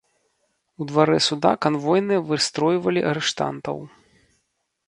У дварэ суда канвойныя выстройвалі арыштантаў.